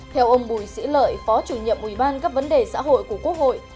theo ông bùi sĩ lợi phó chủ nhiệm uban các vấn đề xã hội của quốc hội